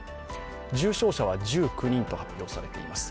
重症者は１９人と発表されています。